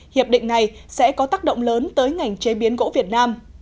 hiệp định này sẽ có tác động lớn tới ngành chế biến gỗ việt nam